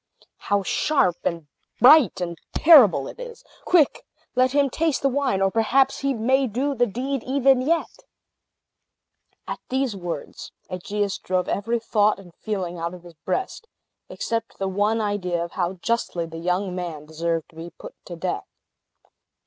How sharp, and bright, and terrible it is! Quick! let him taste the wine; or perhaps he may do the deed even yet." At these words, Aegeus drove every thought and feeling out of his breast, except the one idea of how justly the young man deserved to be put to death.